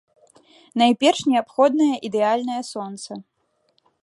Найперш неабходнае ідэальнае сонца.